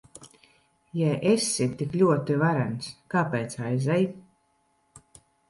Ja esi tik ļoti varens, kāpēc aizej?